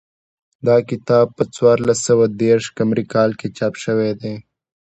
دا کتاب په څوارلس سوه دېرش قمري کال کې چاپ شوی دی